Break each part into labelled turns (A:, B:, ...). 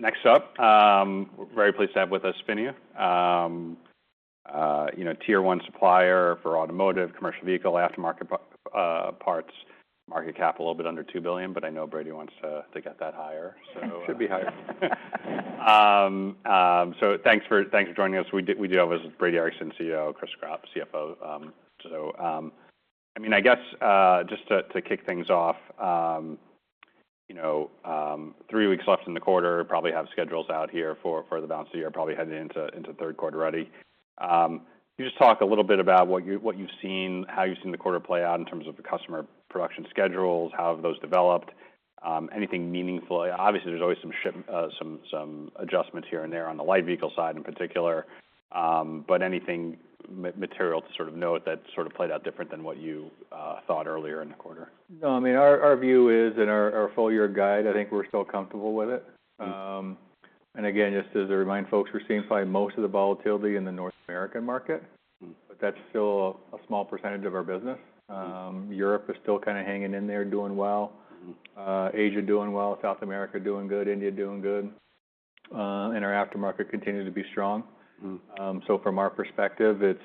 A: Next up, we're very pleased to have with us PHINIA. You know, tier one supplier for automotive, commercial vehicle, aftermarket, parts. Market cap a little bit under $2 billion, but I know Brady wants to, to get that higher, so.
B: Should be higher.
A: Thanks for joining us. We do have with us Brady Ericson, CEO, Chris Gropp, CFO. I mean, I guess, just to kick things off, you know, three weeks left in the quarter, probably have schedules out here for the balance of the year, probably heading into third quarter ready. Can you just talk a little bit about what you, what you've seen, how you've seen the quarter play out in terms of the customer production schedules, how have those developed? Anything meaningful? Obviously, there's always some, some adjustments here and there on the light vehicle side in particular. Anything material to sort of note that sort of played out different than what you thought earlier in the quarter?
B: No, I mean, our view is in our full year guide, I think we're still comfortable with it.
A: Mm-hmm.
B: And again, just as a reminder folks, we're seeing probably most of the volatility in the North American market.
A: Mm-hmm.
B: That's still a small percentage of our business.
A: Mm-hmm.
B: Europe is still kinda hanging in there, doing well.
A: Mm-hmm.
B: Asia doing well, South America doing good, India doing good, and our aftermarket continued to be strong.
A: Mm-hmm.
B: From our perspective, it's,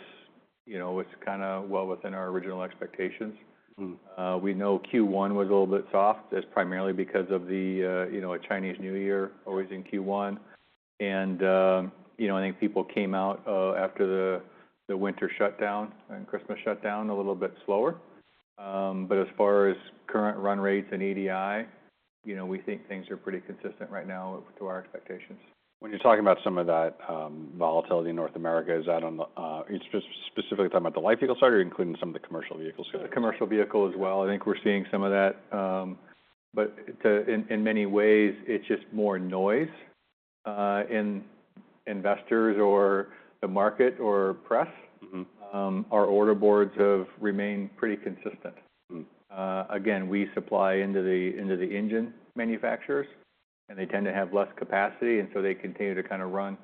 B: you know, it's kinda well within our original expectations.
A: Mm-hmm.
B: We know Q1 was a little bit soft. That's primarily because of the, you know, a Chinese New Year always in Q1. And, you know, I think people came out, after the, the winter shutdown and Christmas shutdown a little bit slower. As far as current run rates and EDI, you know, we think things are pretty consistent right now to our expectations.
A: When you're talking about some of that, volatility in North America, is that on the, you're specifically talking about the light vehicle side or including some of the commercial vehicle side?
B: The commercial vehicle as well. I think we're seeing some of that, but in many ways, it's just more noise, in investors or the market or press.
A: Mm-hmm.
B: Our order boards have remained pretty consistent.
A: Mm-hmm.
B: Again, we supply into the engine manufacturers, and they tend to have less capacity, and so they continue to kinda run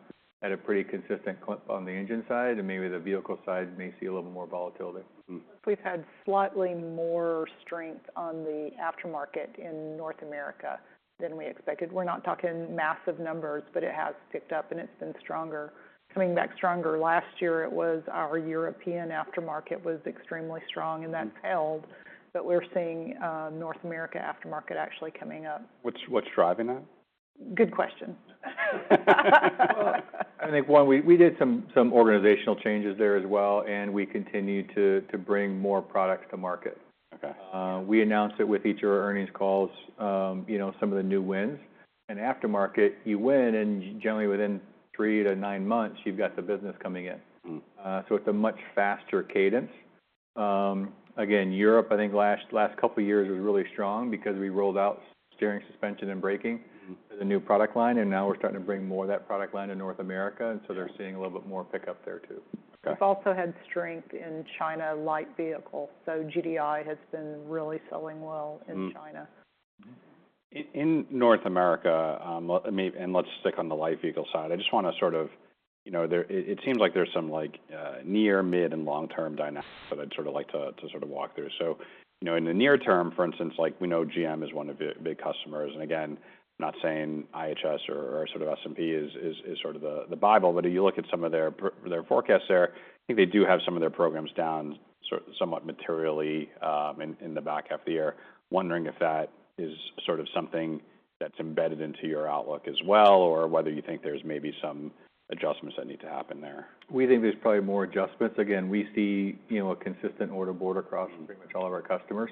B: at a pretty consistent clip on the engine side, and maybe the vehicle side may see a little more volatility.
A: Mm-hmm.
C: We've had slightly more strength on the aftermarket in North America than we expected. We're not talking massive numbers, but it has picked up, and it's been stronger, coming back stronger. Last year, it was our European aftermarket was extremely strong, and that's held, but we're seeing, North America aftermarket actually coming up.
A: What's driving that?
C: Good question.
B: I think, one, we did some organizational changes there as well, and we continue to bring more products to market.
A: Okay.
B: We announced it with each of our earnings calls, you know, some of the new wins. In aftermarket, you win, and generally, within three to nine months, you've got the business coming in.
A: Mm-hmm.
B: It's a much faster cadence. Again, Europe, I think, last couple years was really strong because we rolled out steering, suspension, and braking.
A: Mm-hmm.
B: With a new product line, and now we're starting to bring more of that product line to North America, and so they're seeing a little bit more pickup there too.
A: Okay.
C: We've also had strength in China light vehicle, so GDI has been really selling well in China.
A: Mm-hmm. In North America, let me, and let's stick on the light vehicle side. I just wanna sort of, you know, there, it seems like there's some, like, near, mid, and long-term dynamics that I'd sort of like to, to sort of walk through. You know, in the near term, for instance, like, we know GM is one of the big customers, and again, not saying IHS or S&P is sort of the Bible, but you look at some of their forecasts there, I think they do have some of their programs down somewhat materially, in the back half of the year. Wondering if that is something that's embedded into your outlook as well, or whether you think there's maybe some adjustments that need to happen there.
B: We think there's probably more adjustments. Again, we see, you know, a consistent order board across.
A: Mm-hmm.
B: Pretty much all of our customers.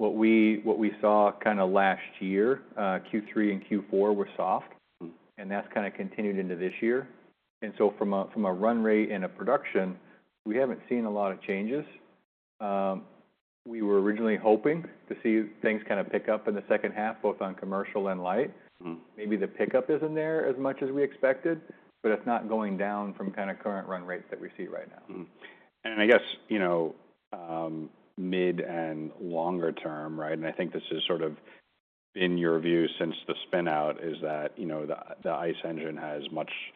B: What we saw kinda last year, Q3 and Q4 were soft.
A: Mm-hmm.
B: That has kinda continued into this year. From a run rate and a production, we have not seen a lot of changes. We were originally hoping to see things kinda pick up in the second half, both on commercial and light.
A: Mm-hmm.
B: Maybe the pickup isn't there as much as we expected, but it's not going down from kinda current run rates that we see right now.
A: Mm-hmm. I guess, you know, mid and longer term, right, and I think this has sort of been your view since the spin-out, is that, you know, the ICE engine has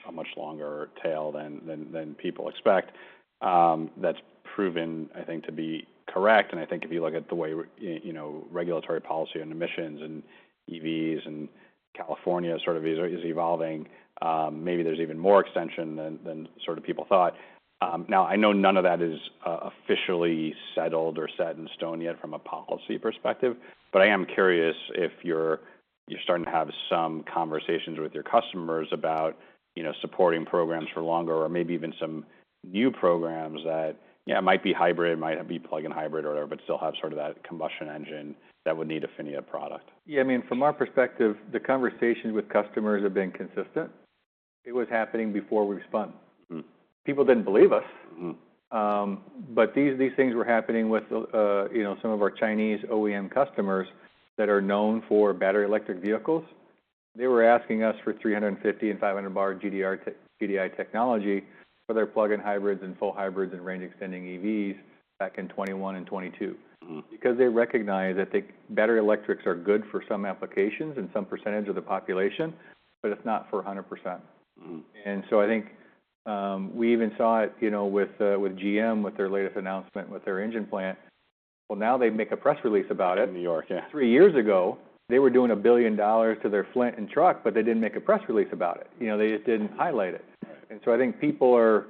A: a much longer tail than people expect. That's proven, I think, to be correct, and I think if you look at the way, you know, regulatory policy on emissions and EVs and California is evolving, maybe there's even more extension than people thought. Now, I know none of that is officially settled or set in stone yet from a policy perspective, but I am curious if you're starting to have some conversations with your customers about, you know, supporting programs for longer or maybe even some new programs that, yeah, might be hybrid, might be plug-in hybrid or whatever, but still have sort of that combustion engine that would need a PHINIA product.
B: Yeah, I mean, from our perspective, the conversations with customers have been consistent. It was happening before we spun.
A: Mm-hmm.
B: People didn't believe us.
A: Mm-hmm.
B: These things were happening with, you know, some of our Chinese OEM customers that are known for battery electric vehicles. They were asking us for 350 and 500-bar GDI technology for their plug-in hybrids and full hybrids and range-extending EVs back in 2021 and 2022.
A: Mm-hmm.
B: Because they recognize that battery electrics are good for some applications and some percentage of the population, but it's not for 100%.
A: Mm-hmm.
B: I think, we even saw it, you know, with GM with their latest announcement with their engine plant. Now they make a press release about it.
A: In New York, yeah.
B: Three years ago, they were doing $1 billion to their Flint and truck, but they didn't make a press release about it. You know, they just didn't highlight it.
A: Right.
B: I think people are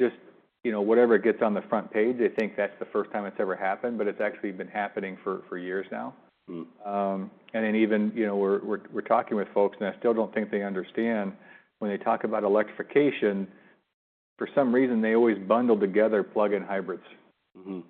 B: just, you know, whatever gets on the front page, they think that's the first time it's ever happened, but it's actually been happening for years now.
A: Mm-hmm.
B: and then even, you know, we're talking with folks, and I still don't think they understand when they talk about electrification, for some reason, they always bundle together plug-in hybrids.
A: Mm-hmm.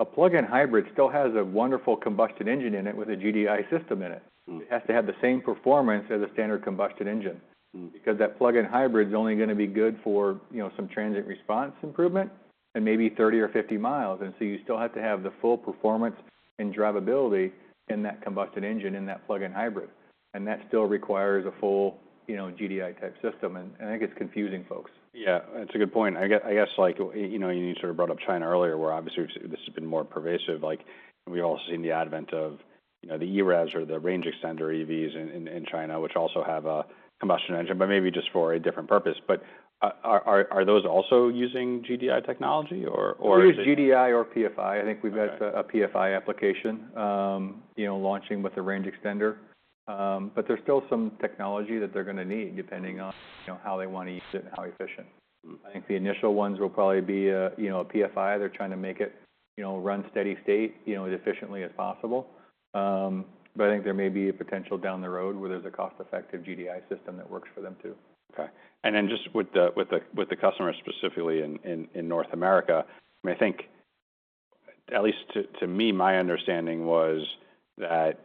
B: A plug-in hybrid still has a wonderful combustion engine in it with a GDI system in it.
A: Mm-hmm.
B: It has to have the same performance as a standard combustion engine.
A: Mm-hmm.
B: Because that plug-in hybrid's only gonna be good for, you know, some transient response improvement and maybe 30 or 50 mi, and you still have to have the full performance and drivability in that combustion engine in that plug-in hybrid, and that still requires a full, you know, GDI-type system, and I think it's confusing folks.
A: Yeah, that's a good point. I guess, like, you know, you sort of brought up China earlier where obviously this has been more pervasive. Like, we've also seen the advent of, you know, the EREVs or the range-extender EVs in China, which also have a combustion engine, but maybe just for a different purpose. Are those also using GDI technology or is it?
B: Either GDI or PFI. I think we've got a PFI application, you know, launching with the range extender. There's still some technology that they're gonna need depending on, you know, how they wanna use it and how efficient.
A: Mm-hmm.
B: I think the initial ones will probably be a, you know, a PFI. They're trying to make it, you know, run steady state, you know, as efficiently as possible. I think there may be a potential down the road where there's a cost-effective GDI system that works for them too.
A: Okay. And then just with the customers specifically in North America, I mean, I think at least to me, my understanding was that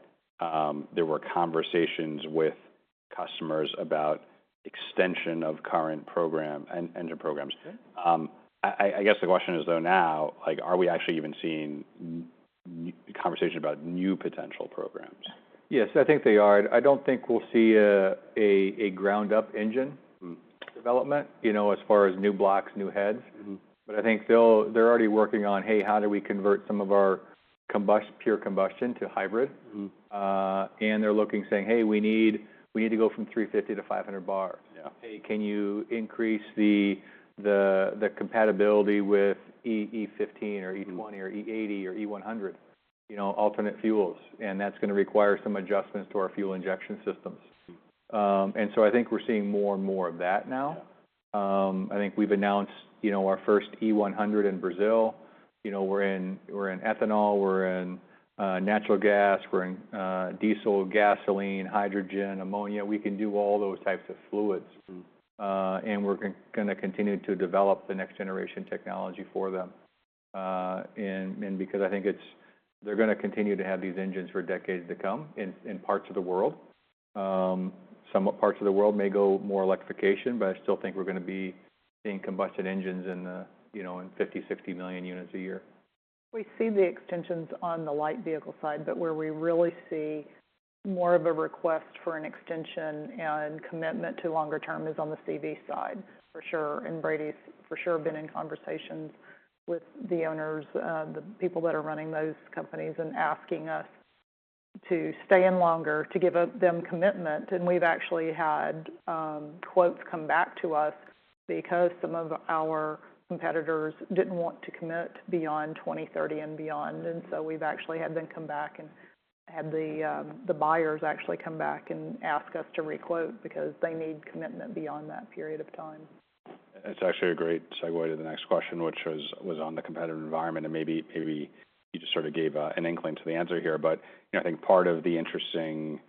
A: there were conversations with customers about extension of current program and engine programs. I guess the question is though now, like, are we actually even seeing conversation about new potential programs?
B: Yes, I think they are. I don't think we'll see a ground-up engine.
A: Mm-hmm.
B: Development, you know, as far as new blocks, new heads.
A: Mm-hmm.
B: I think they're already working on, "Hey, how do we convert some of our pure combustion to hybrid?
A: Mm-hmm.
B: and they're looking, saying, "Hey, we need to go from 350 to 500-bar.
A: Yeah.
B: Hey, can you increase the compatibility with E15 or E20 or E80 or E100, you know, alternate fuels?" That's gonna require some adjustments to our fuel injection systems.
A: Mm-hmm.
B: I think we're seeing more and more of that now. I think we've announced, you know, our first E100 in Brazil. You know, we're in ethanol, we're in natural gas, we're in diesel, gasoline, hydrogen, ammonia. We can do all those types of fluids.
A: Mm-hmm.
B: We're gonna continue to develop the next-generation technology for them, and because I think they're gonna continue to have these engines for decades to come in parts of the world. Some parts of the world may go more electrification, but I still think we're gonna be seeing combustion engines in the, you know, in 50 million-60 million units a year.
C: We see the extensions on the light vehicle side, but where we really see more of a request for an extension and commitment to longer term is on the CV side, for sure. Brady's for sure been in conversations with the owners, the people that are running those companies and asking us to stay in longer to give them commitment. We've actually had quotes come back to us because some of our competitors did not want to commit beyond 2030 and beyond, and we've actually had them come back and had the buyers actually come back and ask us to re-quote because they need commitment beyond that period of time.
A: That's actually a great segue to the next question, which was on the competitive environment, and maybe, maybe you just sort of gave an inkling to the answer here, but, you know, I think part of the interesting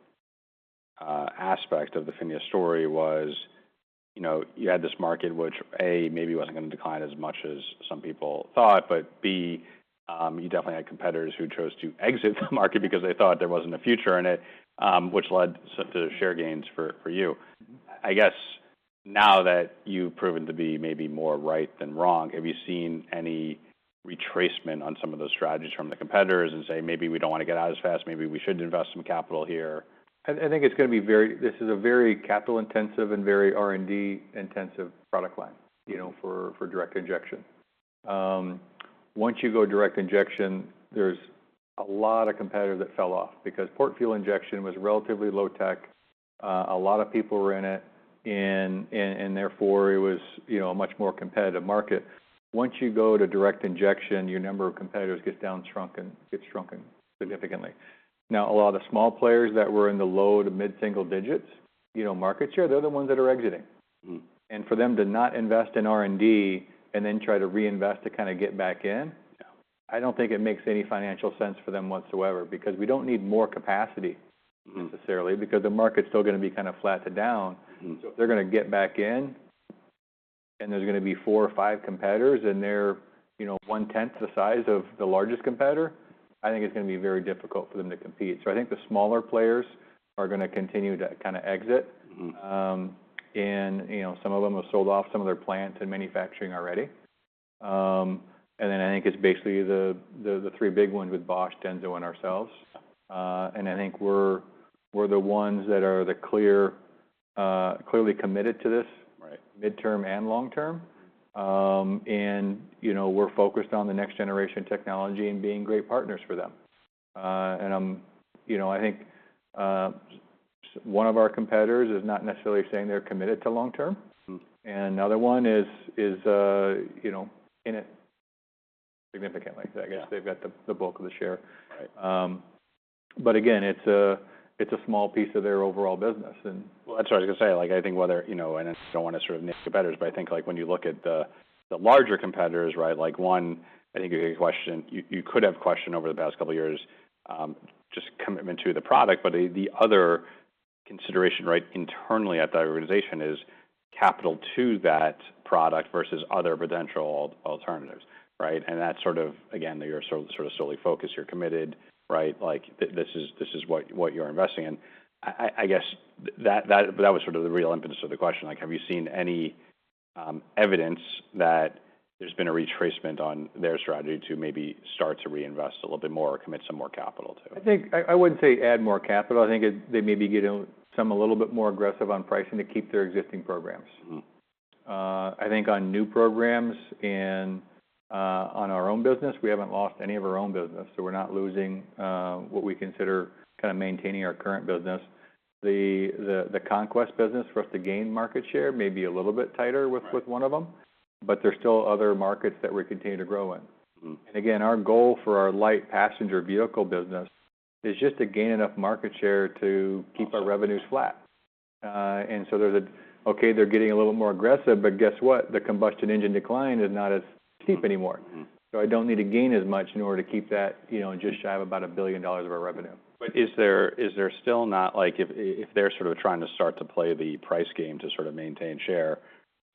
A: aspect of the PHINIA story was, you know, you had this market which, A, maybe wasn't gonna decline as much as some people thought, but B, you definitely had competitors who chose to exit the market because they thought there wasn't a future in it, which led to share gains for you.
B: Mm-hmm.
A: I guess now that you've proven to be maybe more right than wrong, have you seen any retracement on some of those strategies from the competitors and say, "Maybe we don't wanna get out as fast. Maybe we should invest some capital here?
B: I think it's gonna be very, this is a very capital-intensive and very R&D-intensive product line, you know, for direct injection. Once you go direct injection, there's a lot of competitors that fell off because port fuel injection was relatively low-tech. A lot of people were in it, and therefore it was, you know, a much more competitive market. Once you go to direct injection, your number of competitors gets shrunken significantly. Now, a lot of the small players that were in the low to mid-single digits, you know, market share, they're the ones that are exiting.
A: Mm-hmm.
B: For them to not invest in R&D and then try to reinvest to kinda get back in.
A: Yeah.
B: I don't think it makes any financial sense for them whatsoever because we don't need more capacity.
A: Mm-hmm.
B: Necessarily because the market's still gonna be kinda flat to down.
A: Mm-hmm.
B: If they're gonna get back in and there's gonna be four or five competitors and they're, you know, one-tenth the size of the largest competitor, I think it's gonna be very difficult for them to compete. I think the smaller players are gonna continue to kinda exit.
A: Mm-hmm.
B: and, you know, some of them have sold off some of their plants and manufacturing already. I think it's basically the three big ones with Bosch, Denso, and ourselves. I think we're the ones that are clearly committed to this.
A: Right.
B: Midterm and long-term.
A: Mm-hmm.
B: and, you know, we're focused on the next-generation technology and being great partners for them. and I'm, you know, I think, one of our competitors is not necessarily saying they're committed to long-term.
A: Mm-hmm.
B: Another one is, you know, in it significantly.
A: Mm-hmm.
B: I guess they've got the bulk of the share.
A: Right.
B: Again, it's a small piece of their overall business.
A: I think whether, you know, and I don't wanna sort of name competitors, but I think, like, when you look at the larger competitors, right, like one, I think you had a question, you could have questioned over the past couple of years, just commitment to the product, but the other consideration, right, internally at the organization is capital to that product versus other potential alternatives, right? And that's sort of, again, you're sort of solely focused. You're committed, right? Like, this is what you're investing in. I guess that was sort of the real impetus of the question. Like, have you seen any evidence that there's been a retracement on their strategy to maybe start to reinvest a little bit more or commit some more capital to?
B: I think I wouldn't say add more capital. I think they may be getting a little bit more aggressive on pricing to keep their existing programs.
A: Mm-hmm.
B: I think on new programs and, on our own business, we haven't lost any of our own business, so we're not losing, what we consider kinda maintaining our current business. The Conquest business for us to gain market share may be a little bit tighter with.
A: Mm-hmm.
B: With one of them, but there are still other markets that we continue to grow in.
A: Mm-hmm.
B: Our goal for our light passenger vehicle business is just to gain enough market share to keep our revenues flat. There's a, okay, they're getting a little more aggressive, but guess what? The combustion engine decline is not as steep anymore.
A: Mm-hmm.
B: I don't need to gain as much in order to keep that, you know, just shy of about $1 billion of our revenue.
A: Is there still not, like, if they're sort of trying to start to play the price game to sort of maintain share,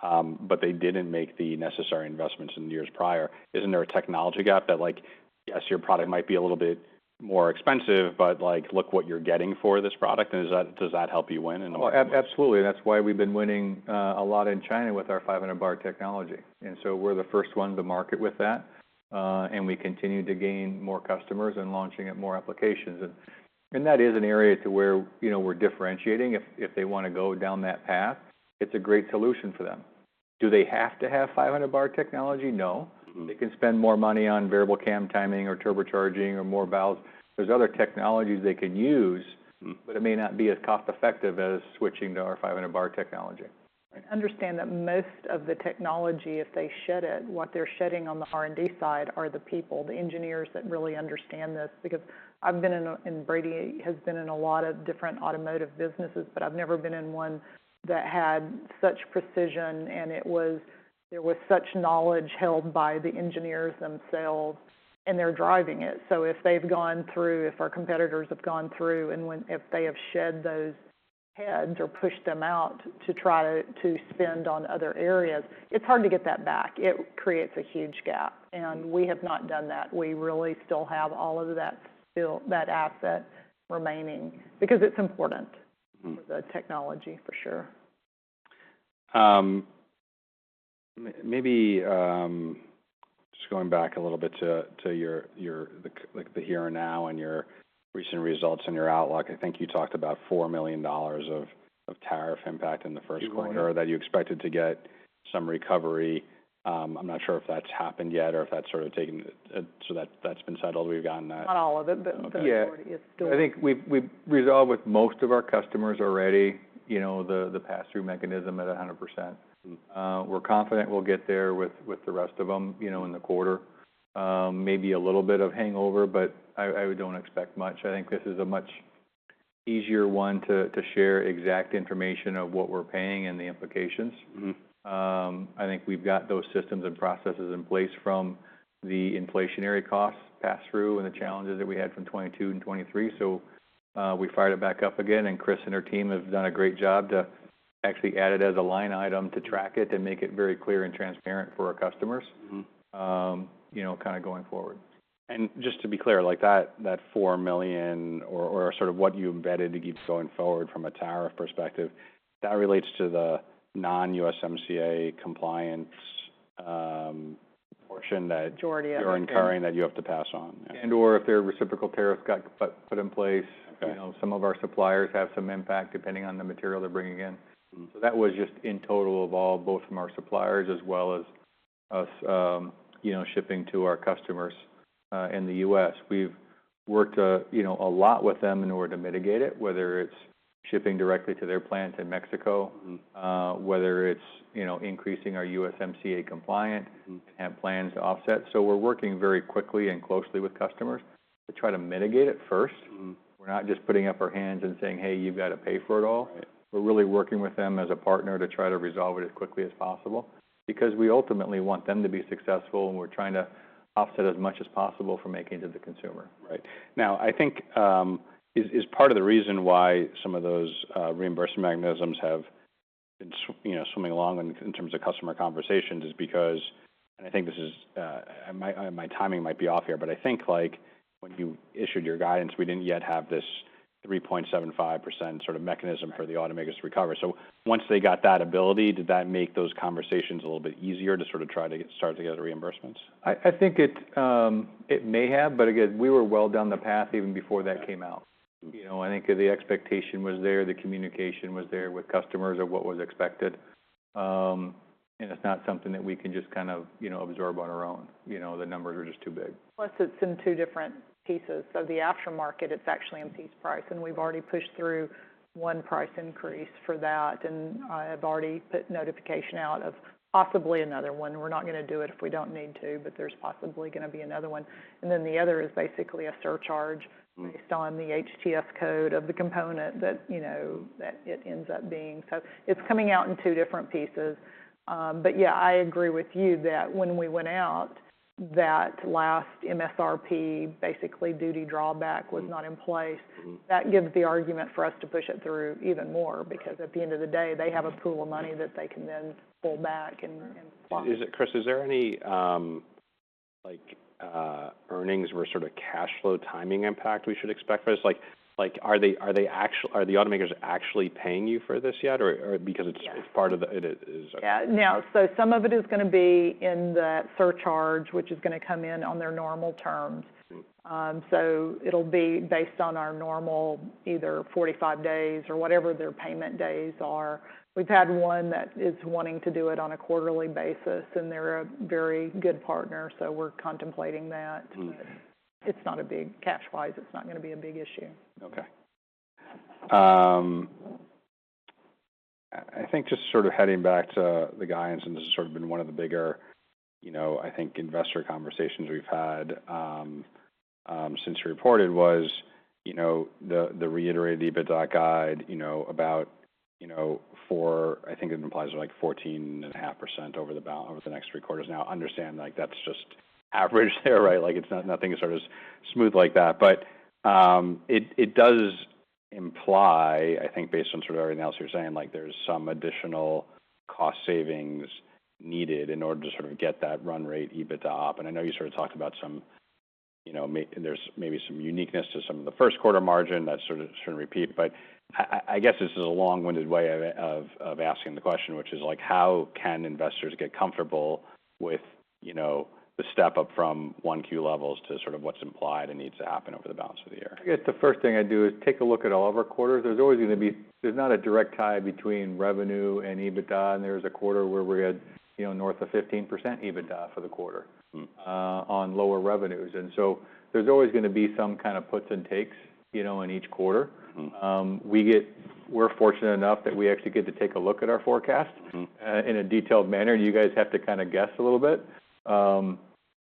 A: but they didn't make the necessary investments in the years prior, isn't there a technology gap that, like, yes, your product might be a little bit more expensive, but, like, look what you're getting for this product, and does that help you win in the market?
B: Absolutely. That is why we've been winning a lot in China with our 500-bar technology. We are the first one to market with that, and we continue to gain more customers and launching at more applications. That is an area where, you know, we're differentiating. If they want to go down that path, it's a great solution for them. Do they have to have 500-bar technology? No.
A: Mm-hmm.
B: They can spend more money on variable cam timing or turbocharging or more valves. There are other technologies they can use.
A: Mm-hmm.
B: It may not be as cost-effective as switching to our 500-bar technology.
C: I understand that most of the technology, if they shed it, what they're shedding on the R&D side are the people, the engineers that really understand this because I've been in, in Brady has been in a lot of different automotive businesses, but I've never been in one that had such precision, and there was such knowledge held by the engineers themselves, and they're driving it. If our competitors have gone through and if they have shed those heads or pushed them out to try to spend on other areas, it's hard to get that back. It creates a huge gap, and we have not done that. We really still have all of that, still that asset remaining because it's important.
A: Mm-hmm.
C: For the technology, for sure.
A: Maybe, just going back a little bit to your, your, the, like, the here and now and your recent results and your outlook, I think you talked about $4 million of tariff impact in the first quarter.
B: Mm-hmm.
A: Or that you expected to get some recovery. I'm not sure if that's happened yet or if that's sort of taken a, a—so that's been settled. We've gotten that.
C: Not all of it, but the majority is still.
B: Yeah. I think we've resolved with most of our customers already, you know, the pass-through mechanism at 100%.
A: Mm-hmm.
B: We're confident we'll get there with the rest of them, you know, in the quarter. Maybe a little bit of hangover, but I don't expect much. I think this is a much easier one to share exact information of what we're paying and the implications.
A: Mm-hmm.
B: I think we've got those systems and processes in place from the inflationary costs, pass-through, and the challenges that we had from 2022 and 2023. We fired it back up again, and Chris and her team have done a great job to actually add it as a line item to track it and make it very clear and transparent for our customers.
A: Mm-hmm.
B: you know, kinda going forward.
A: Just to be clear, like, that $4 million or, or sort of what you embedded to keep going forward from a tariff perspective, that relates to the non-USMCA compliance portion, that.
C: Majority of it, yeah.
A: You're incurring that you have to pass on. Yeah.
B: If there are reciprocal tariffs put in place.
A: Okay.
B: You know, some of our suppliers have some impact depending on the material they're bringing in.
A: Mm-hmm.
B: That was just in total of all, both from our suppliers as well as us, you know, shipping to our customers, in the U.S. We've worked, you know, a lot with them in order to mitigate it, whether it's shipping directly to their plants in Mexico.
A: Mm-hmm.
B: whether it's, you know, increasing our USMCA compliant.
A: Mm-hmm.
B: We have plans to offset. We're working very quickly and closely with customers to try to mitigate it first.
A: Mm-hmm.
B: We're not just putting up our hands and saying, "Hey, you've gotta pay for it all.
A: Right.
B: We're really working with them as a partner to try to resolve it as quickly as possible because we ultimately want them to be successful, and we're trying to offset as much as possible for making it to the consumer.
A: Right. Now, I think, is part of the reason why some of those reimbursement mechanisms have been, you know, swimming along in terms of customer conversations is because, and I think this is, my timing might be off here, but I think, like, when you issued your guidance, we did not yet have this 3.75% sort of mechanism for the automakers to recover. Once they got that ability, did that make those conversations a little bit easier to sort of try to get, start to get the reimbursements?
B: I think it may have, but again, we were well down the path even before that came out.
A: Mm-hmm.
B: You know, I think the expectation was there. The communication was there with customers of what was expected, and it's not something that we can just kind of, you know, absorb on our own. You know, the numbers are just too big.
C: Plus, it's in two different pieces. The aftermarket, it's actually in piece price, and we've already pushed through one price increase for that, and I've already put notification out of possibly another one. We're not gonna do it if we don't need to, but there's possibly gonna be another one. The other is basically a surcharge.
A: Mm-hmm.
C: Based on the HTS code of the component that, you know, that it ends up being. It is coming out in two different pieces. Yeah, I agree with you that when we went out, that last MSRP, basically duty drawback, was not in place.
A: Mm-hmm.
C: That gives the argument for us to push it through even more because at the end of the day, they have a pool of money that they can then pull back and swap.
A: Is it Chris, is there any, like, earnings or sort of cash flow timing impact we should expect for this? Like, are the automakers actually paying you for this yet or, or because it's.
C: Yeah.
A: It's part of the, it is okay.
C: Yeah. No. Some of it is gonna be in the surcharge, which is gonna come in on their normal terms.
A: Mm-hmm.
C: It'll be based on our normal either 45 days or whatever their payment days are. We've had one that is wanting to do it on a quarterly basis, and they're a very good partner, so we're contemplating that.
A: Mm-hmm.
C: It's not a big cash-wise. It's not gonna be a big issue.
A: Okay. I think just sort of heading back to the guidance, and this has sort of been one of the bigger, you know, I think, investor conversations we've had since you reported was, you know, the reiterated EBITDA guide, you know, about, you know, for I think it implies like 14.5% over the next three quarters. Now, I understand, like, that's just average there, right? Like, nothing is sort of smooth like that. It does imply, I think, based on sort of everything else you're saying, like, there's some additional cost savings needed in order to sort of get that run rate EBITDA up. I know you sort of talked about some, you know, maybe there's some uniqueness to some of the first quarter margin that sort of shouldn't repeat. I guess this is a long-winded way of asking the question, which is, like, how can investors get comfortable with, you know, the step up from 1Q levels to sort of what's implied and needs to happen over the balance of the year?
B: I guess the first thing I do is take a look at all of our quarters. There's always gonna be there's not a direct tie between revenue and EBITDA, and there was a quarter where we had, you know, north of 15% EBITDA for the quarter.
A: Mm-hmm.
B: on lower revenues. There's always gonna be some kinda puts and takes, you know, in each quarter.
A: Mm-hmm.
B: We get, we're fortunate enough that we actually get to take a look at our forecast.
A: Mm-hmm.
B: in a detailed manner. You guys have to kinda guess a little bit,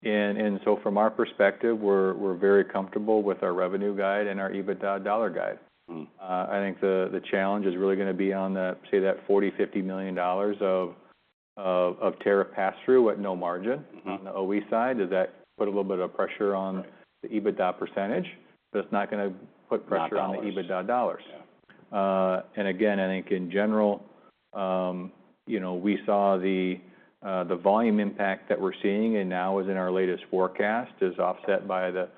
B: and so from our perspective, we're very comfortable with our revenue guide and our EBITDA dollar guide.
A: Mm-hmm.
B: I think the challenge is really gonna be on the, say, that $40-$50 million of tariff pass-through at no margin.
A: Mm-hmm.
B: On the OE side, does that put a little bit of pressure on?
A: Right.
B: The EBITDA percentage, but it's not gonna put pressure on the EBITDA dollars.
A: Not at all. Yeah.
B: And again, I think in general, you know, we saw the volume impact that we're seeing and now is in our latest forecast is offset by the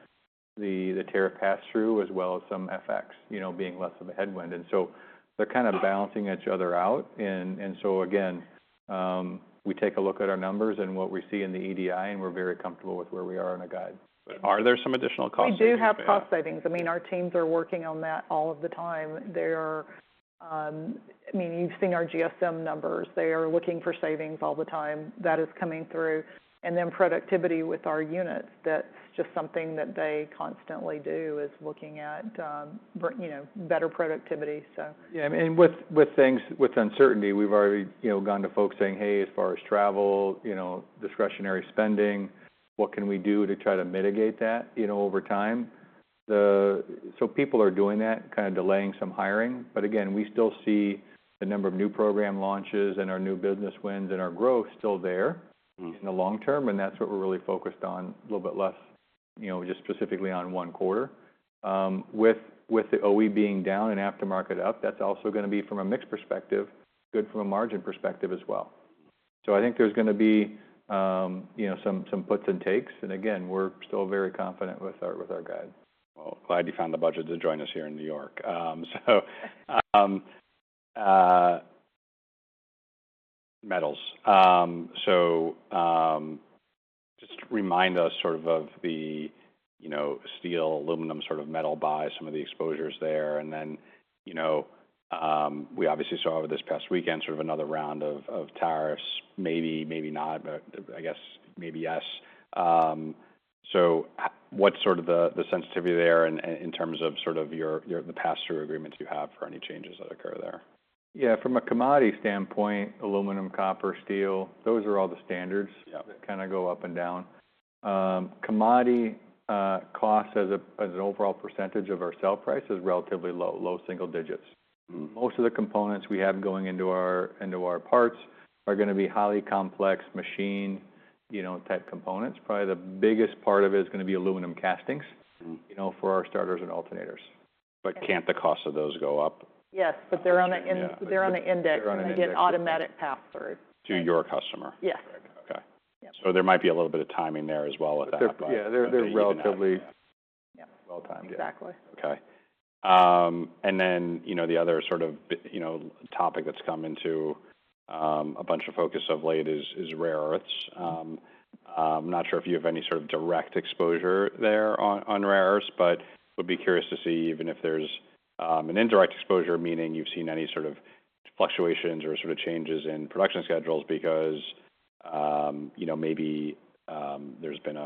B: tariff pass-through as well as some FX, you know, being less of a headwind. They are kinda balancing each other out. Again, we take a look at our numbers and what we see in the EDI, and we're very comfortable with where we are on the guide.
A: Are there some additional cost savings?
C: We do have cost savings. I mean, our teams are working on that all of the time. They are, I mean, you've seen our GSM numbers. They are looking for savings all the time. That is coming through. And then productivity with our units, that's just something that they constantly do is looking at, you know, better productivity, so.
B: Yeah. And with things with uncertainty, we've already, you know, gone to folks saying, "Hey, as far as travel, you know, discretionary spending, what can we do to try to mitigate that, you know, over time?" So people are doing that, kinda delaying some hiring. Again, we still see the number of new program launches and our new business wins and our growth still there.
A: Mm-hmm.
B: In the long term, and that's what we're really focused on a little bit less, you know, just specifically on one quarter. With the OE being down and aftermarket up, that's also gonna be from a mixed perspective, good from a margin perspective as well.
A: Mm-hmm.
B: I think there's gonna be, you know, some puts and takes. Again, we're still very confident with our guide.
A: Glad you found the budget to join us here in New York. So, metals. So, just remind us sort of of the, you know, steel, aluminum sort of metal buy, some of the exposures there. And then, you know, we obviously saw over this past weekend sort of another round of, of tariffs, maybe, maybe not, but I guess maybe yes. So what's sort of the, the sensitivity there in, in terms of sort of your, your the pass-through agreements you have for any changes that occur there?
B: Yeah. From a commodity standpoint, aluminum, copper, steel, those are all the standards.
A: Yeah.
B: That kinda go up and down. Commodity cost as an overall percentage of our sale price is relatively low, low single digits.
A: Mm-hmm.
B: Most of the components we have going into our parts are gonna be highly complex, you know, type components. Probably the biggest part of it is gonna be aluminum castings.
A: Mm-hmm.
B: You know, for our starters and alternators.
A: Can't the cost of those go up?
C: Yes. But they're on the, in, they're on the index.
B: They're on the index.
C: They get automatic pass-through.
A: To your customer.
C: Yes.
A: Right. Okay.
C: Yep.
A: There might be a little bit of timing there as well with that.
B: Yeah. They're relatively.
C: Yeah.
B: Well-timed.
C: Exactly.
A: Okay. And then, you know, the other sort of, you know, topic that's come into a bunch of focus of late is rare earths. Not sure if you have any sort of direct exposure there on rare earths, but would be curious to see even if there's an indirect exposure, meaning you've seen any sort of fluctuations or sort of changes in production schedules because, you know, maybe there's been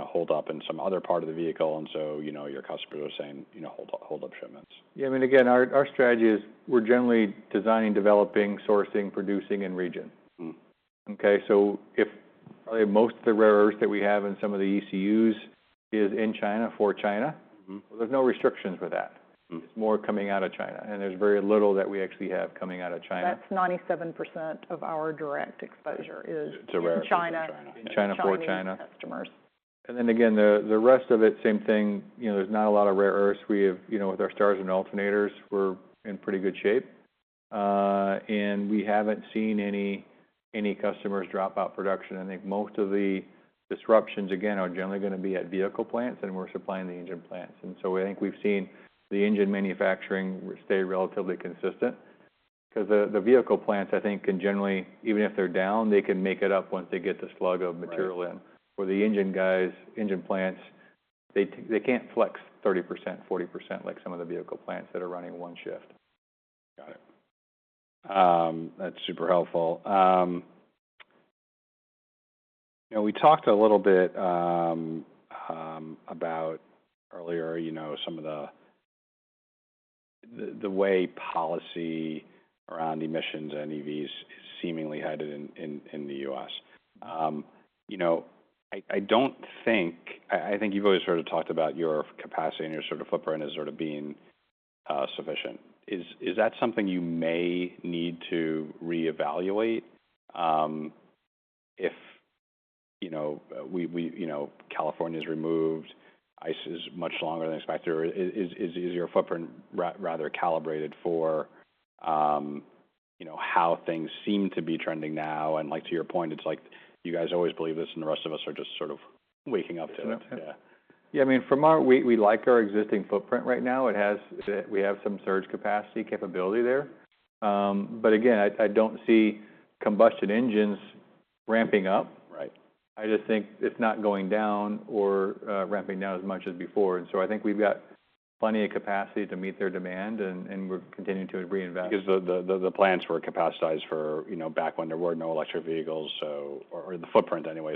A: a hold-up in some other part of the vehicle, and so, you know, your customers are saying, you know, hold-up, hold-up shipments.
B: Yeah. I mean, again, our strategy is we're generally designing, developing, sourcing, producing in region.
A: Mm-hmm.
B: Okay? So if probably most of the rare earths that we have in some of the ECUs is in China for China.
A: Mm-hmm.
B: There's no restrictions for that.
A: Mm-hmm.
B: It's more coming out of China, and there's very little that we actually have coming out of China.
C: That's 97% of our direct exposure.
A: Mm-hmm.
C: Is in China.
A: It's a rare earth.
C: In China.
A: In China.
C: In China for China.
A: For our customers.
B: Then again, the rest of it, same thing. You know, there's not a lot of rare earths. We have, you know, with our starters and alternators, we're in pretty good shape, and we haven't seen any customers drop out production. I think most of the disruptions, again, are generally gonna be at vehicle plants, and we're supplying the engine plants. I think we've seen the engine manufacturing stay relatively consistent because the vehicle plants, I think, can generally, even if they're down, they can make it up once they get the slug of material in.
A: Mm-hmm.
B: Where the engine guys, engine plants, they can't flex 30%-40% like some of the vehicle plants that are running one shift.
A: Got it. That's super helpful. You know, we talked a little bit about earlier, you know, some of the way policy around emissions and EVs is seemingly headed in the U.S. You know, I don't think I, I think you've always sort of talked about your capacity and your sort of footprint as sort of being sufficient. Is that something you may need to reevaluate? If, you know, we, you know, California's removed ICEs much longer than expected, or is your footprint rather calibrated for, you know, how things seem to be trending now? Like to your point, it's like you guys always believe this, and the rest of us are just sort of waking up to it.
B: Yeah.
A: Yeah.
B: Yeah. I mean, from our, we like our existing footprint right now. It has, we have some surge capacity capability there. I don't see combustion engines ramping up.
A: Right.
B: I just think it's not going down or ramping down as much as before. I think we've got plenty of capacity to meet their demand, and we're continuing to reinvest.
A: Because the plants were capacitized for, you know, back when there were no electric vehicles, or the footprint anyway.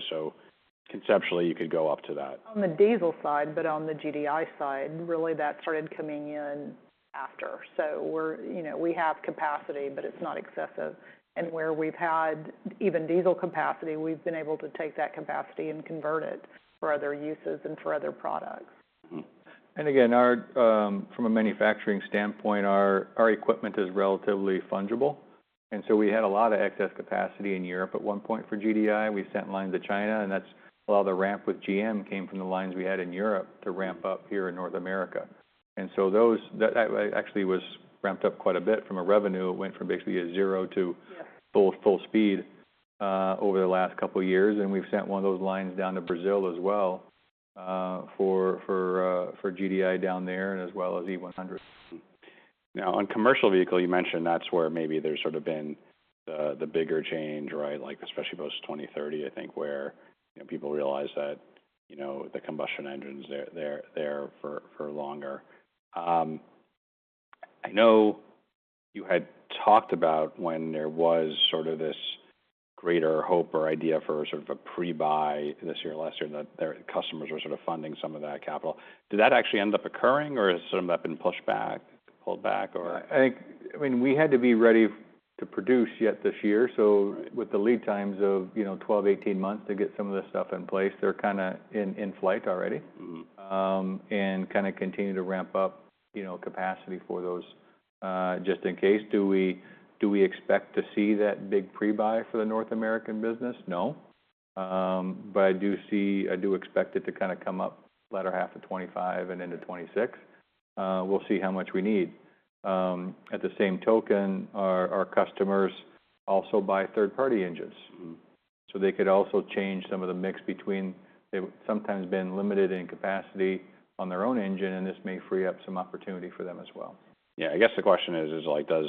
A: Conceptually, you could go up to that.
C: On the diesel side, but on the GDI side, really, that started coming in after. So we're, you know, we have capacity, but it's not excessive. And where we've had even diesel capacity, we've been able to take that capacity and convert it for other uses and for other products.
A: Mm-hmm.
B: Again, from a manufacturing standpoint, our equipment is relatively fungible. We had a lot of excess capacity in Europe at one point for GDI. We sent lines to China, and a lot of the ramp with GM came from the lines we had in Europe to ramp up here in North America. That actually was ramped up quite a bit from a revenue standpoint. It went from basically zero to.
C: Yes.
B: Full speed over the last couple of years. We have sent one of those lines down to Brazil as well, for GDI down there and as well as E100.
A: Mm-hmm. Now, on commercial vehicle, you mentioned that's where maybe there's sort of been the bigger change, right? Like especially post-2030, I think, where, you know, people realize that, you know, the combustion engines, they're for longer. I know you had talked about when there was sort of this greater hope or idea for sort of a pre-buy this year or last year that their customers were sort of funding some of that capital. Did that actually end up occurring, or has some of that been pushed back, pulled back, or?
B: I think, I mean, we had to be ready to produce yet this year. With the lead times of, you know, 12-18 months to get some of this stuff in place, they're kinda in flight already.
A: Mm-hmm.
B: and kinda continue to ramp up, you know, capacity for those, just in case. Do we expect to see that big pre-buy for the North American business? No. I do expect it to kinda come up latter half of 2025 and into 2026. We'll see how much we need. At the same token, our customers also buy third-party engines.
A: Mm-hmm.
B: They could also change some of the mix between, they've sometimes been limited in capacity on their own engine, and this may free up some opportunity for them as well.
A: Yeah. I guess the question is, is like, does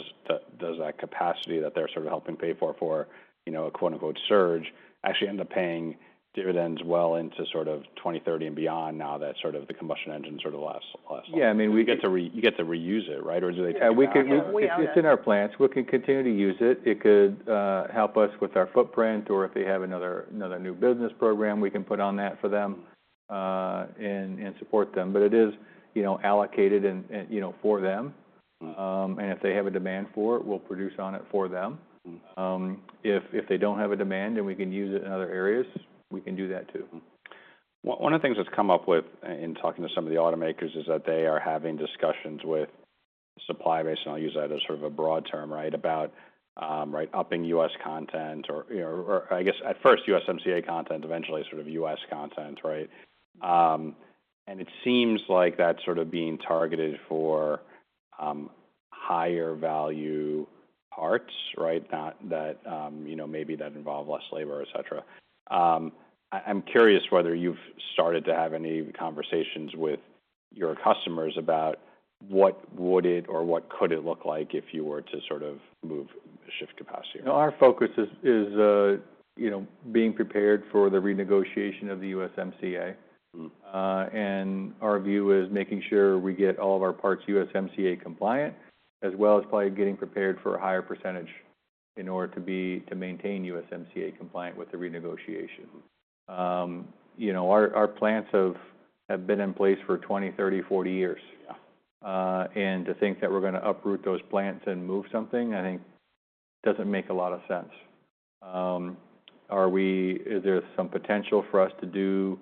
A: that capacity that they're sort of helping pay for, for, you know, a quote-unquote surge actually end up paying dividends well into sort of 2030 and beyond now that sort of the combustion engine sort of lasts, lasts?
B: Yeah. I mean, we get to reuse it, right? Or do they take it away?
A: Yeah. We could, we, it's in our plants. We can continue to use it. It could help us with our footprint, or if they have another, another new business program, we can put on that for them, and support them. It is, you know, allocated and, you know, for them.
B: Mm-hmm.
A: If they have a demand for it, we'll produce on it for them.
B: Mm-hmm.
A: If they don't have a demand and we can use it in other areas, we can do that too.
B: Mm-hmm.
A: One of the things that's come up in talking to some of the automakers is that they are having discussions with supply base, and I'll use that as sort of a broad term, right, about upping US content or, you know, or I guess at first USMCA content, eventually sort of US content, right? It seems like that's sort of being targeted for higher value parts, right, that, you know, maybe that involve less labor, etc. I'm curious whether you've started to have any conversations with your customers about what would it or what could it look like if you were to sort of move, shift capacity?
B: No. Our focus is, you know, being prepared for the renegotiation of the USMCA.
A: Mm-hmm.
B: Our view is making sure we get all of our parts USMCA compliant as well as probably getting prepared for a higher percentage in order to maintain USMCA compliant with the renegotiation.
A: Mm-hmm.
B: you know, our plants have been in place for 20, 30, 40 years.
A: Yeah.
B: To think that we're gonna uproot those plants and move something, I think doesn't make a lot of sense. Are we, is there some potential for us to do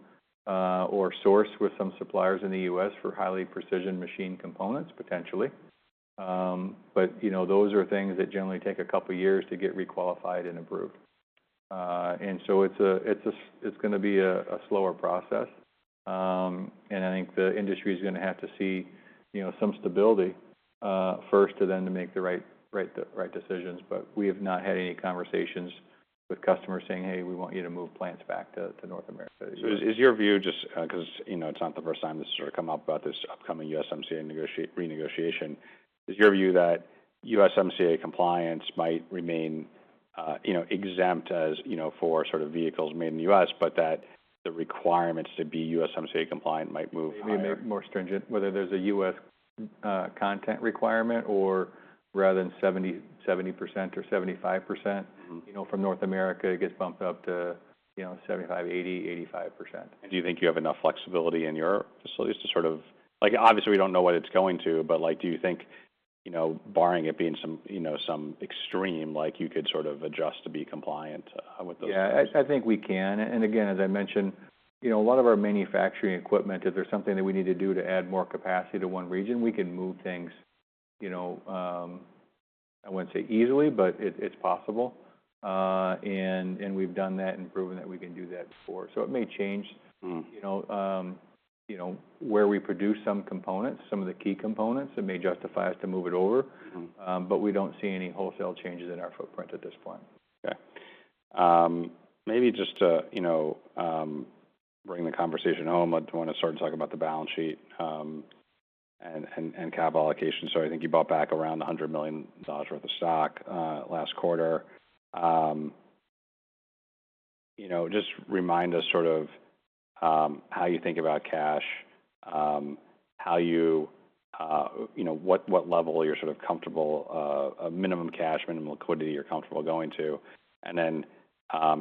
B: or source with some suppliers in the U.S. for highly precision machine components, potentially? But, you know, those are things that generally take a couple of years to get requalified and approved. It's gonna be a slower process. I think the industry's gonna have to see, you know, some stability first to then make the right decisions. We have not had any conversations with customers saying, "Hey, we want you to move plants back to North America.
A: Is your view just, 'cause it's, you know, it's not the first time this has sort of come up about this upcoming USMCA renegotiation. Is your view that USMCA compliance might remain, you know, exempt as, you know, for sort of vehicles made in the US, but that the requirements to be USMCA compliant might move away?
B: Maybe make more stringent whether there's a U.S. content requirement or rather than 70%, 70% or 75%.
A: Mm-hmm.
B: You know, from North America, it gets bumped up to, you know, 75%, 80%, 85%.
A: Do you think you have enough flexibility in your facilities to sort of like, obviously, we do not know what it is going to, but like, do you think, you know, barring it being some, you know, some extreme, like, you could sort of adjust to be compliant with those?
B: Yeah. I think we can. And again, as I mentioned, you know, a lot of our manufacturing equipment, if there's something that we need to do to add more capacity to one region, we can move things, you know, I wouldn't say easily, but it's possible. And we've done that and proven that we can do that before. It may change.
A: Mm-hmm.
B: You know, where we produce some components, some of the key components, it may justify us to move it over.
A: Mm-hmm.
B: We don't see any wholesale changes in our footprint at this point.
A: Okay. Maybe just to, you know, bring the conversation home, I'd wanna start talking about the balance sheet, and, and cap allocation. I think you bought back around $100 million worth of stock last quarter. You know, just remind us sort of how you think about cash, how you, you know, what level you're sort of comfortable, minimum cash, minimum liquidity you're comfortable going to.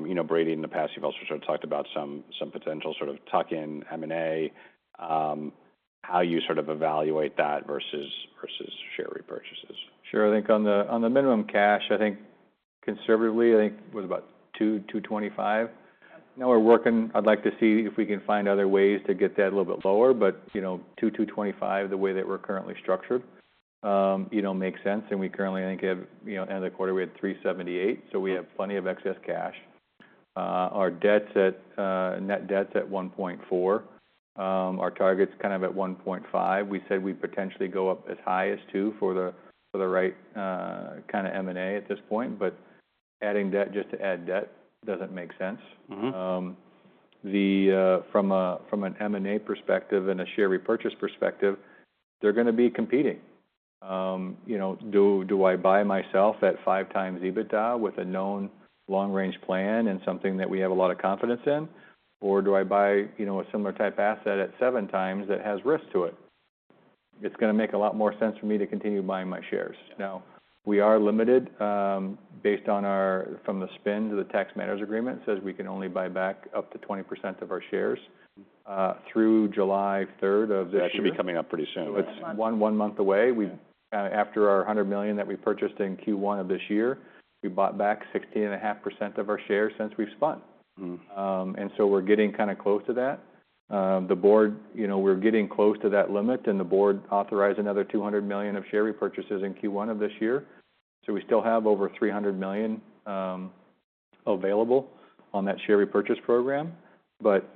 A: You know, Brady, in the past, you've also sort of talked about some potential sort of tuck-in M&A, how you sort of evaluate that versus share repurchases.
B: Sure. I think on the minimum cash, I think conservatively, I think it was about $225 million. Now we're working, I'd like to see if we can find other ways to get that a little bit lower, but, you know, $225 million, the way that we're currently structured, you know, makes sense. And we currently, I think, have, you know, end of the quarter, we had $378 million. So we have plenty of excess cash. Our net debt's at $1.4 billion. Our target's kind of at $1.5 billion. We said we'd potentially go up as high as $2 billion for the right, kinda M&A at this point, but adding debt just to add debt doesn't make sense.
A: Mm-hmm.
B: From an M&A perspective and a share repurchase perspective, they're gonna be competing. You know, do I buy myself at 5x EBITDA with a known long-range plan and something that we have a lot of confidence in, or do I buy, you know, a similar type asset at 7x that has risk to it? It's gonna make a lot more sense for me to continue buying my shares. Now, we are limited, based on our spend to the tax matters agreement, it says we can only buy back up to 20% of our shares.
A: Mm-hmm.
B: through July 3 of this year.
A: That should be coming up pretty soon.
B: It's one month away. We've kinda, after our $100 million that we purchased in Q1 of this year, we bought back 16.5% of our shares since we've spun.
A: Mm-hmm.
B: and so we're getting kinda close to that. The board, you know, we're getting close to that limit, and the board authorized another $200 million of share repurchases in Q1 of this year. We still have over $300 million available on that share repurchase program.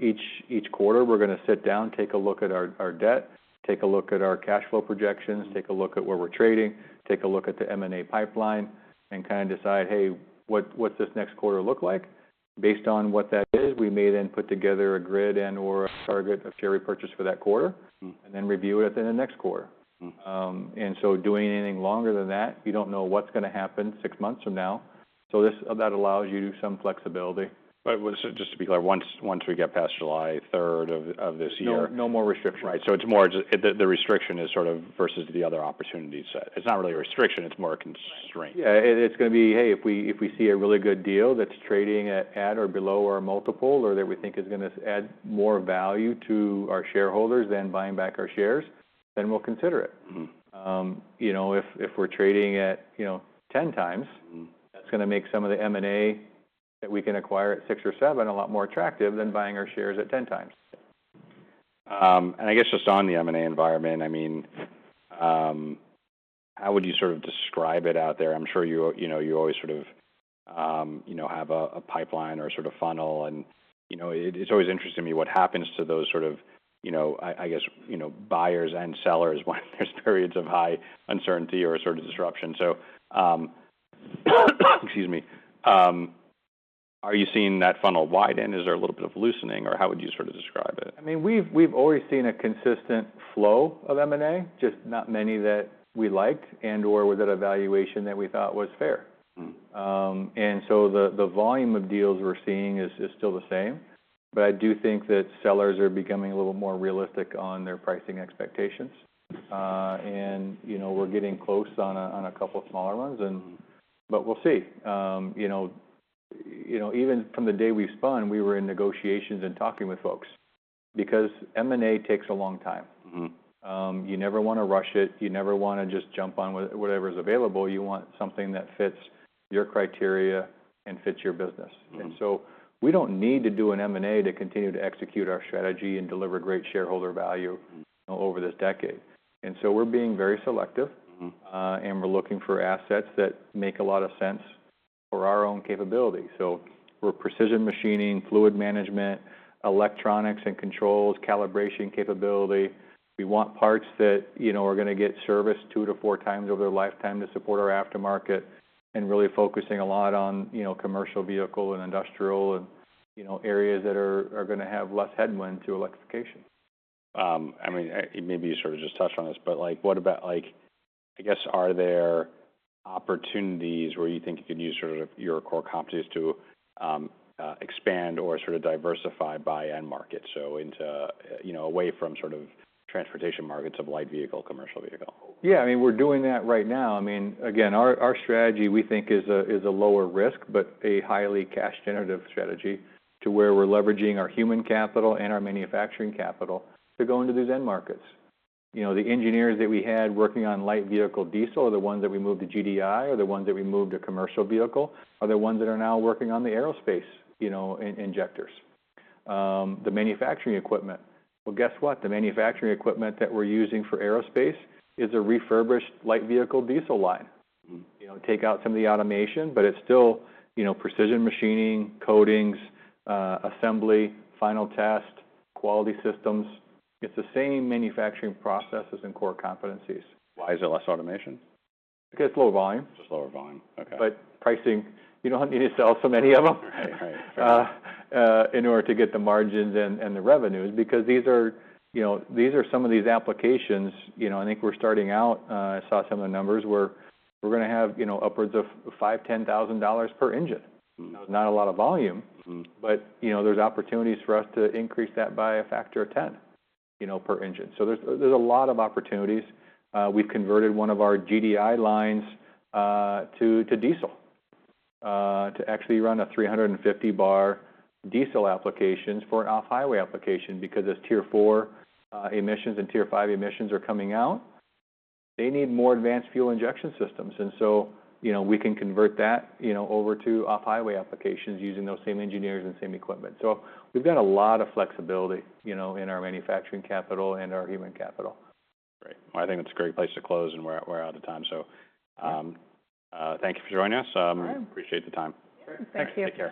B: Each quarter, we're gonna sit down, take a look at our debt, take a look at our cash flow projections, take a look at where we're trading, take a look at the M&A pipeline, and kinda decide, "Hey, what, what's this next quarter look like?" Based on what that is, we may then put together a grid and/or a target of share repurchase for that quarter.
A: Mm-hmm.
B: Then review it at the next quarter.
A: Mm-hmm.
B: Doing anything longer than that, you don't know what's gonna happen six months from now. So this, that allows you some flexibility.
A: Was it just to be clear, once we get past July 3rd of this year?
B: No, no more restrictions.
A: Right. It's more just the restriction is sort of versus the other opportunities set. It's not really a restriction. It's more a constraint.
B: Yeah. It's gonna be, "Hey, if we see a really good deal that's trading at or below our multiple or that we think is gonna add more value to our shareholders than buying back our shares, then we'll consider it.
A: Mm-hmm.
B: you know, if we're trading at, you know, 10 times.
A: Mm-hmm.
B: That's gonna make some of the M&A that we can acquire at six or seven a lot more attractive than buying our shares at 10x.
A: I guess just on the M&A environment, I mean, how would you sort of describe it out there? I'm sure you, you know, you always sort of, you know, have a pipeline or sort of funnel. And, you know, it's always interesting to me what happens to those sort of, you know, I guess, you know, buyers and sellers when there's periods of high uncertainty or sort of disruption. Excuse me, are you seeing that funnel widen? Is there a little bit of loosening, or how would you sort of describe it?
B: I mean, we've always seen a consistent flow of M&A, just not many that we liked and/or with an evaluation that we thought was fair.
A: Mm-hmm.
B: And so the volume of deals we're seeing is still the same. I do think that sellers are becoming a little more realistic on their pricing expectations, and, you know, we're getting close on a couple of smaller ones. We'll see. You know, even from the day we spun, we were in negotiations and talking with folks because M&A takes a long time.
A: Mm-hmm.
B: You never wanna rush it. You never wanna just jump on whatever's available. You want something that fits your criteria and fits your business.
A: Mm-hmm.
B: We do not need to do an M&A to continue to execute our strategy and deliver great shareholder value.
A: Mm-hmm.
B: You know, over this decade. And so we're being very selective.
A: Mm-hmm.
B: and we're looking for assets that make a lot of sense for our own capability. So we're precision machining, fluid management, electronics and controls, calibration capability. We want parts that, you know, are gonna get serviced two to four times over their lifetime to support our aftermarket and really focusing a lot on, you know, commercial vehicle and industrial and, you know, areas that are, are gonna have less headwind to electrification.
A: I mean, maybe you sort of just touched on this, but like, what about, like, I guess, are there opportunities where you think you could use sort of your core competitors to expand or sort of diversify by end market? So into, you know, away from sort of transportation markets of light vehicle, commercial vehicle.
B: Yeah. I mean, we're doing that right now. I mean, again, our strategy, we think, is a lower risk but a highly cash-generative strategy to where we're leveraging our human capital and our manufacturing capital to go into these end markets. You know, the engineers that we had working on light vehicle diesel are the ones that we moved to GDI, are the ones that we moved to commercial vehicle, are the ones that are now working on the aerospace, you know, injectors. The manufacturing equipment, well, guess what? The manufacturing equipment that we're using for aerospace is a refurbished light vehicle diesel line.
A: Mm-hmm.
B: You know, take out some of the automation, but it's still, you know, precision machining, coatings, assembly, final test, quality systems. It's the same manufacturing processes and core competencies.
A: Why is there less automation?
B: Because it's lower volume.
A: Just lower volume. Okay.
B: Pricing, you don't need to sell so many of them.
A: Right. Right.
B: In order to get the margins and the revenues because these are, you know, these are some of these applications, you know, I think we're starting out, I saw some of the numbers where we're gonna have, you know, upwards of $5,000-$10,000 per engine.
A: Mm-hmm.
B: That was not a lot of volume.
A: Mm-hmm.
B: You know, there's opportunities for us to increase that by a factor of 10, you know, per engine. There's a lot of opportunities. We've converted one of our GDI lines to diesel to actually run a 350-bar diesel application for an off-highway application because as tier four emissions and tier five emissions are coming out, they need more advanced fuel injection systems. You know, we can convert that over to off-highway applications using those same engineers and same equipment. We've got a lot of flexibility, you know, in our manufacturing capital and our human capital.
A: Great. I think it's a great place to close, and we're out of time. Thank you for joining us.
B: All right.
A: Appreciate the time.
B: Thank you.
A: Thanks again.